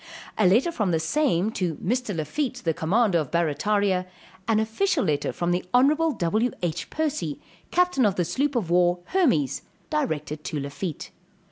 A letter from the same to Mr. Lafitte, the commander of Barrataria; an official letter from the honorable W.H. Percy, captain of the sloop of war Hermes, directed to Lafitte.